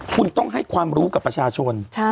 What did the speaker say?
คุณต้องให้ความรู้กับประชาชน